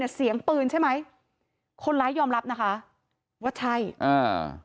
เสียงปืนใช่ไหมคนร้ายยอมรับนะคะว่าใช่อ่า